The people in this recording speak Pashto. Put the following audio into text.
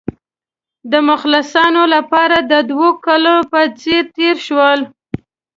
د مخلصانو لپاره د دوو کلونو په څېر تېر شول.